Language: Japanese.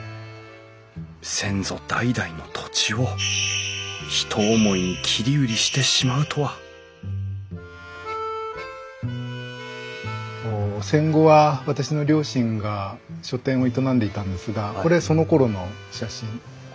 先祖代々の土地をひと思いに切り売りしてしまうとは戦後は私の両親が書店を営んでいたんですがこれそのころの写真この場所。